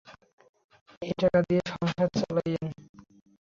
এই টাকা দিয়ে সংসার চালাইয়েন।